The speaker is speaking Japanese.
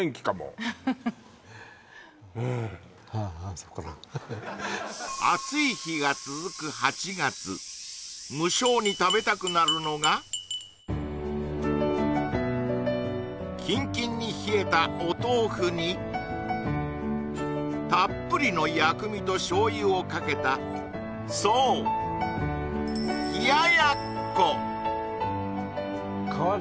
そうかな暑い日が続く８月無性に食べたくなるのがキンキンに冷えたお豆腐にたっぷりの薬味と醤油をかけたそうへえ